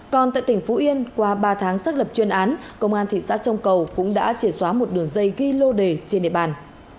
còn tại tỉnh phú yên qua ba tháng xác lập chuyên án công an thị xã sông cầu cũng đã chệt xóa một đường dây ghi lô đề trên địa bàn